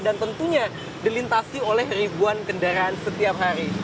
dan tentunya dilintasi oleh ribuan kendaraan setiap hari